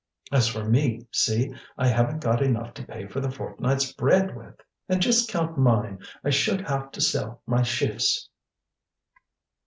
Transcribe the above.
"As for me, see, I haven't got enough to pay for the fortnight's bread with." "And just count mine! I should have to sell my shifts!"